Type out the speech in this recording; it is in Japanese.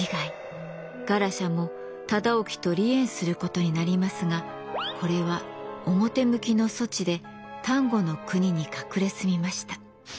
ガラシャも忠興と離縁することになりますがこれは表向きの措置で丹後国に隠れ住みました。